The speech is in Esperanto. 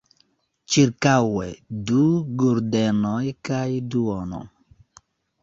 Ĉirkaŭe du guldenoj kaj duono.